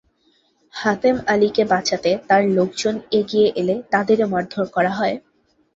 হাতেম আলীকে বাঁচাতে তাঁর লোকজন এগিয়ে এলে তাঁদেরও মারধর করা হয়।